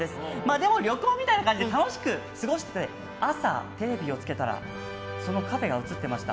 でも旅行みたいな感じで楽しく過ごしていて朝、テレビをつけたらそのカフェが映ってました。